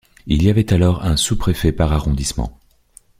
Il y avait alors un sous-préfet par arrondissement.